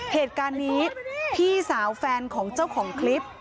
เหตุการณ์นี้พี่สาวแฟนของเจ้าของคลิป